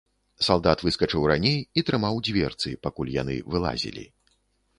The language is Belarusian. Салдат выскачыў раней і трымаў дзверцы, пакуль яны вылазілі.